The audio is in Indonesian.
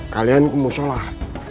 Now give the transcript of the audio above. kalian mau sholat